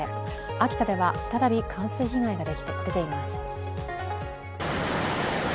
秋田では再び冠水被害が出ています。